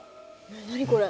何これ？